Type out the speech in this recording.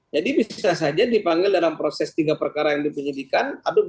jadi bisa saja dipanggil dalam proses tiga perkara yang dipenyidikan